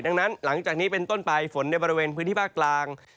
ดังนั้นหลังจากนี้เป็นต้นไปฝนในบริเวณพื้นที่ภาคกลาง